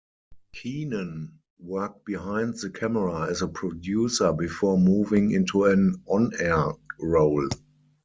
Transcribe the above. Keenan worked behind the camera as a producer before moving into an on-air role.